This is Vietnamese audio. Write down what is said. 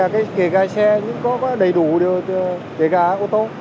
kể cả xe có đầy đủ kể cả ô tô